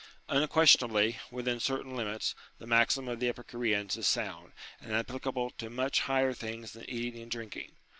Unquestionably, within certain limits, the maxim of the Epicureans is sound, and applicable to much higher things than eating and drinking.